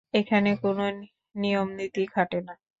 এখানে কোনও নিয়মনীতি খাটে না।